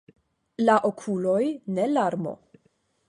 La okuloj ne larmo.